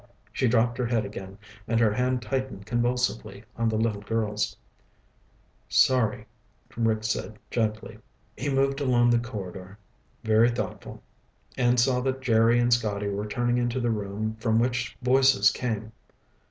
She dropped her head again and her hand tightened convulsively on the little girl's. "Sorry," Rick said gently. He moved along the corridor, very thoughtful, and saw that Jerry and Scotty were turning into the room from which voices came.